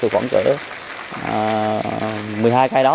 khoảng kể một mươi hai cái đó